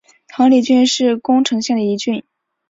亘理郡是宫城县的一郡。